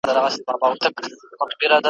دا دهقان چي تخم پاشي او روان دی `